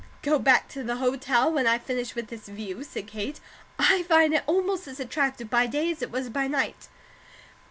"Go back to the hotel, when I finish with this view," said Kate. "I find it almost as attractive by day as it was by night."